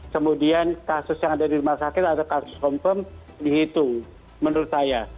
kemudian kasus yang ada dimasakkan atau kasus confirm dihitung menurut saya